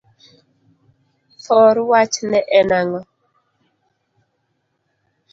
thor wach ne en ango?